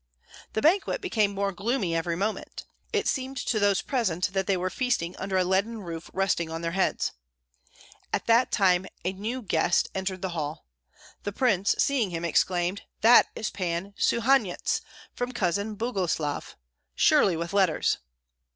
The banquet became more gloomy every moment. It seemed to those present that they were feasting under a leaden roof resting on their heads. At that time a new guest entered the hall. The prince, seeing him, exclaimed, "That is Pan Suhanyets, from Cousin Boguslav! Surely with letters!"